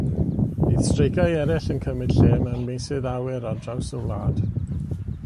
Bydd streiciau eraill yn cymryd lle mewn meysydd awyr ar draws y wlad.